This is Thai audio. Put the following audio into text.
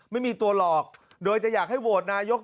ไม่มีตัวหลอกโดยจะอยากให้โหวตนายก